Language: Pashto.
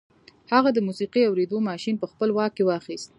هغه د موسیقي اورېدو ماشين په خپل واک کې واخیست